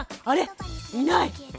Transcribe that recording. あれ⁉いない！